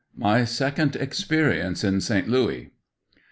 MY SECOND EXPERIENCE IN ST. LOUIS.